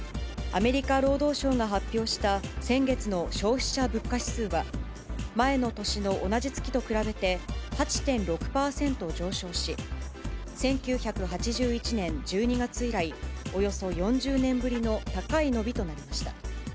アメリカ労働省が発表した先月の消費者物価指数は、前の年の同じ月と比べて８．６％上昇し、１９８１年１２月以来、およそ４０年ぶりの高い伸びとなりました。